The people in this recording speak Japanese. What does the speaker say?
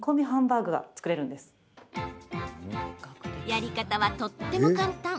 やり方はとっても簡単。